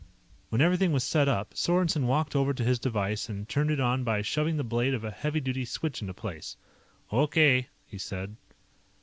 When everything was set up, Sorensen walked over to his device and turned it on by shoving the blade of a heavy duty switch into place. "O.K.," he said.